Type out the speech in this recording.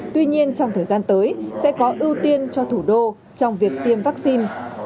tuy nhiên trong thời gian tới sẽ có ưu tiên cho thủ đô trong việc tiêm vaccine